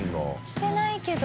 してないけど。